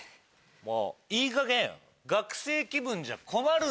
もういいかげん学生気分じゃ困るんだよ！